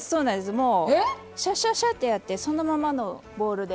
もうシャシャシャッてやってそのままのボウルで。